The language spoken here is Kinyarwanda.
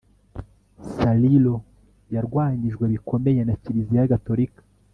sarilo yarwanyijwe bikomeye na kiliziya gatolika